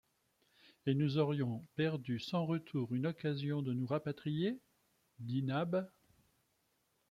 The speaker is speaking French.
Et nous aurions perdu sans retour une occasion de nous rapatrier ? dit Nab.